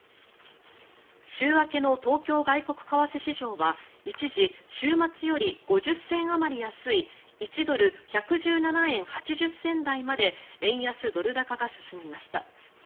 週明けの東京外国為替市場は一時、週末より５０銭あまり安い１ドル＝１１７円８０銭台まで円安・ドル高が進みました。